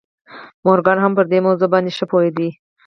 مورګان هم پر دې موضوع باندې ښه پوهېده